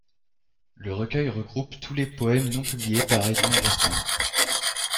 Le recueil regroupe tous les poèmes non publiés par Edmond Rostand.